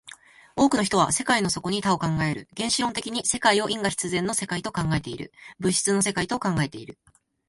多くの人は世界の底に多を考える、原子論的に世界を因果必然の世界と考えている、物質の世界と考えている。